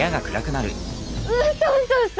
うそうそうそ！